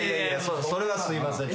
それはすいません。